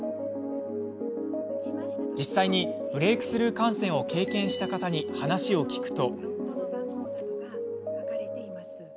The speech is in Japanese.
実際にブレークスルー感染を経験した方に話を聞くと。